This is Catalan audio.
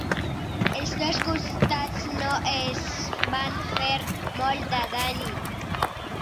Els dos costats no es van fer molt de dany.